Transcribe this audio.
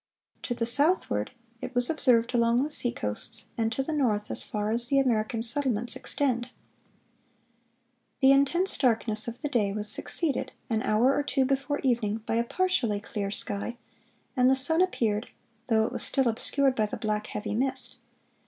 To the southward, it was observed along the seacoasts; and to the north as far as the American settlements extend."(486) The intense darkness of the day was succeeded, an hour or two before evening, by a partially clear sky, and the sun appeared, though it was still obscured by the black, heavy mist.